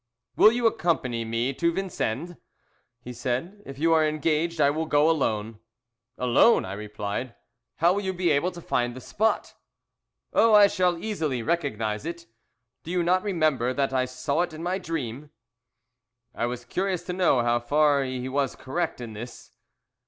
"Will you accompany me to Vincennes?" he said. "If you are engaged I will go alone." "Alone!" I replied. "How will you be able to find the spot?" "Oh, I shall easily recognize it. Do you not remember that I saw it in my dream?" I was curious to know how far he was correct in this.